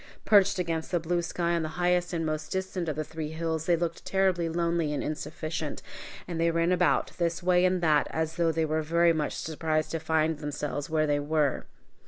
Perched against the blue sky on the highest and most distant of the three hills, they looked terribly lonely and insufficient, and they ran about, this way and that, as though they were very much surprised to find themselves where they were.